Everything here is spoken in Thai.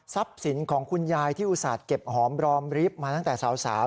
สินของคุณยายที่อุตส่าห์เก็บหอมรอมริฟต์มาตั้งแต่สาว